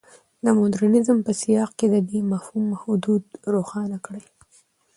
د مډرنیزم په سیاق کې د دې مفهوم حدود روښانه کړي.